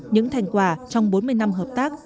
những thành quả trong bốn mươi năm hợp tác